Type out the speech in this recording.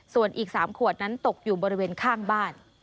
ส่วนอีก๓ขวดนั้นตกอยู่บริเวณข้างบ้าน